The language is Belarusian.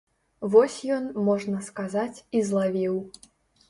Вось ён, можна сказаць, і злавіў.